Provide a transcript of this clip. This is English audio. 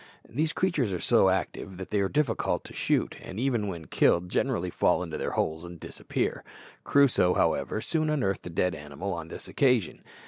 These creatures are so active that they are difficult to shoot, and even when killed generally fall into their holes and disappear. Crusoe, however, soon unearthed the dead animal on this occasion.